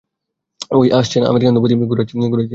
ঔই এসেছে না আমেরিকান দম্পতি, ঘুরাচ্ছি উনাদেরকে।